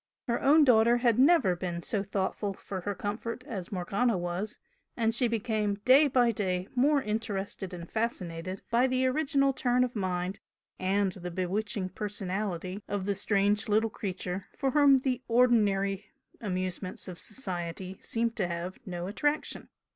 Her own daughter had never been so thoughtful for her comfort as Morgana was, and she became day by day more interested and fascinated by the original turn of mind and the bewitching personality of the strange little creature for whom the ordinary amusements of society seemed to have no attraction.